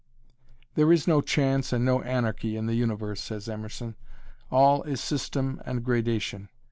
"There is no chance and no anarchy in the Universe," says Emerson, "all is system and gradation.